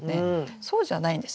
そうじゃないんですね。